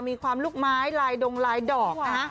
มีความลูกไม้ลายดงลายดอกนะฮะ